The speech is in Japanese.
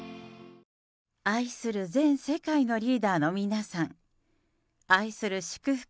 愛する全世界のリーダーの皆さん、愛する祝福